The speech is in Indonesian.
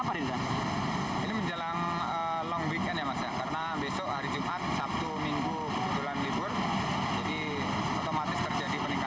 sehingga kemudian libur jadi otomatis terjadi peningkatan arus